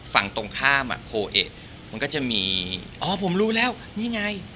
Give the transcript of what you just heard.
ฝั่งตรงข้ามอ่ะโคเอะมันก็จะมีอ๋อผมรู้แล้วนี่ไง